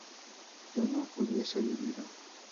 ¿yo no hubiese vivido?